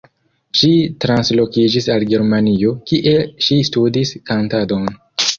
Ŝi translokiĝis al Germanio, kie ŝi studis kantadon.